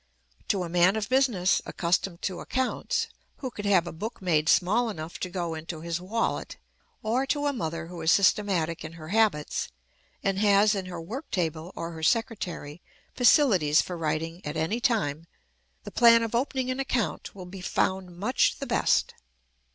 To a man of business, accustomed to accounts, who could have a book made small enough to go into his wallet, or to a mother who is systematic in her habits, and has in her work table or her secretary facilities for writing at any time, the plan of opening an account will be found much the best.